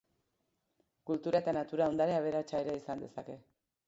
Kultura eta natura ondare aberatsa ere izan dezake.